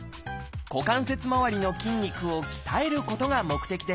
股関節周りの筋肉を鍛えることが目的です